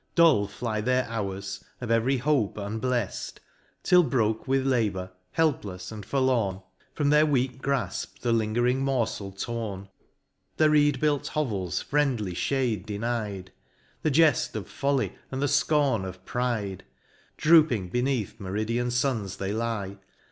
Dull fly their hours, of every hope unbleft. Till broke with labour, helplefs, and forlorn, From their weak grafp the lingering morfel tora ; The reed built hovel's friendly fhade deny'd ; The jeft of folly, and the fcorn of pride ; Drooping beneath meridian funs they lie.